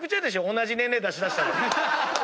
同じ年齢出しだしたら。